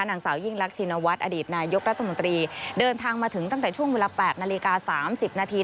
นางสาวยิ่งรักชินวัฒน์อดีตนายกรัฐมนตรีเดินทางมาถึงตั้งแต่ช่วงเวลา๘นาฬิกา๓๐นาที